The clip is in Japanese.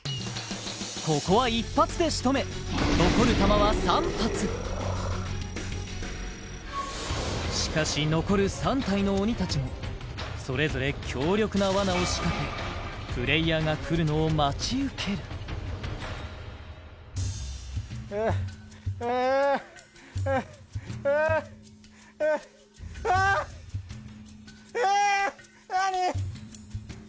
ここは一発で仕留め残る弾は３発しかし残る３体の鬼達もそれぞれ強力な罠を仕掛けプレイヤーが来るのを待ち受けるえっえーあっえー！